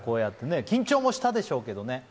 緊張もしたでしょうけどね。